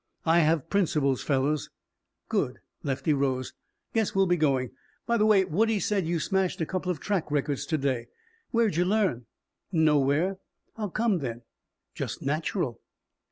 "I have principles, fellows." "Good." Lefty rose. "Guess we'll be going. By the way, Woodie said you smashed a couple of track records to day. Where'd you learn?" "Nowhere." "How come, then?" "Just natural."